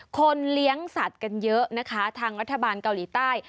คนเลี้ยงสัตว์กันเยอะนะคะทางรัฐบาลเกาหลีใต้